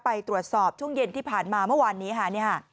ไปตรวจสอบช่วงเย็นที่ผ่านมาเมื่อวานนี้ค่ะ